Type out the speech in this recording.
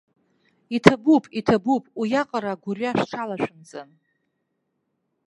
Иҭабуп, иҭабуп, уиаҟара агәырҩа шәҽалашәымҵан.